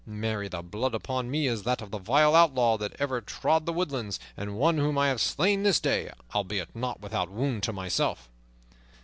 Marry, the blood upon me is that of the vilest outlaw that ever trod the woodlands, and one whom I have slain this day, albeit not without wound to myself."